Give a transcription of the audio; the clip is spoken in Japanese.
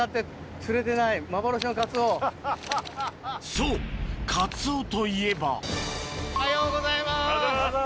そうカツオといえばおはようございます！